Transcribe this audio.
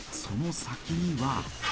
その先には。